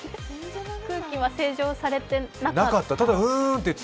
空気は清浄されていなかった？